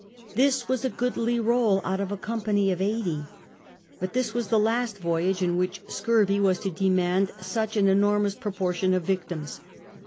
This was a goodly roll out of a company of eighty. But this was the last voyage in which scurvy was to demand such an enormous proportion of victims.